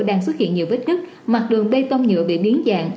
đang xuất hiện nhiều vết nứt mặt đường bê tông nhựa bị biến dạng